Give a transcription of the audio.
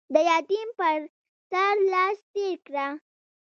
د يتيم پر سر لاس تېر کړه.